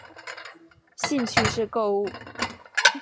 兴趣是购物。